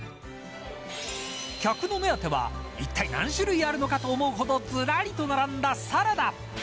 客の目当てはいったい何種類あるかともいわれるずらりと並んだサラダ。